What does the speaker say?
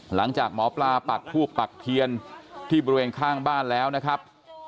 หลังจากหมอปลาปักทูบปักเทียนที่บริเวณข้างบ้านแล้วนะครับ